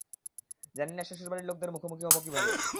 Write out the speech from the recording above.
জানি না শ্বশুরবাড়ির লোকদের মুখোমুখি হব কীভাবে?